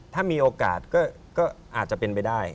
ถ้ามีโอกาสก็อาจจะเป็นไปได้